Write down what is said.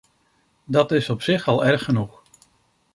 Dat is op zich al erg genoeg.